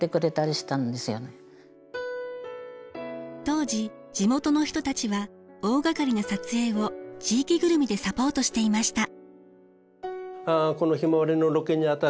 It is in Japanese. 当時地元の人たちは大がかりな撮影を地域ぐるみでサポートしていました。